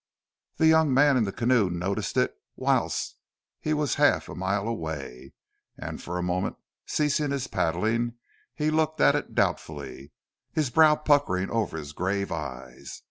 The young man in the canoe noticed it whilst he was half a mile away, and for a moment, ceasing his paddling, he looked at it doubtfully, his brow puckering over his grave eyes.